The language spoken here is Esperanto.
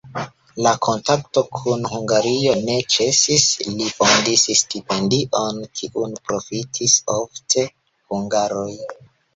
La kontakto kun Hungario ne ĉesis, li fondis stipendion, kiun profitis ofte hungaroj.